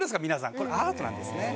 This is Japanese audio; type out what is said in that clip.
これアートなんですね。